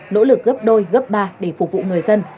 nỗ lực gấp đôi gấp ba để phục vụ người dân